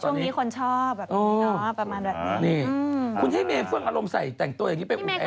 ช่วงนี้คนชอบแบบนี้ประมาณแบบนี้